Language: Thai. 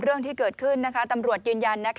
เรื่องที่เกิดขึ้นตำรวจยืนยัน